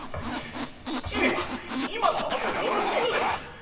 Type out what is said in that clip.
父上は今のままでよろしいのですか。